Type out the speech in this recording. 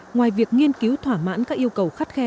ngoài việc nghiên cứu thỏa mãn các yêu cầu khắt khe